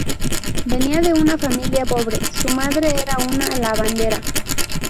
Venía de una familia pobre: su madre era una "lavandera".